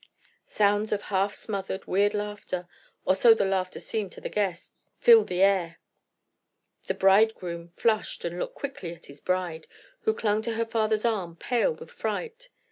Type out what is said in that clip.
Sounds of half smothered, weird laughter—or so the laughter seemed to the guests—filled the air. The bridegroom flushed and looked quickly at his bride, who clung to her father's arm, pale with fright.